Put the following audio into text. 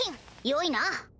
よいな？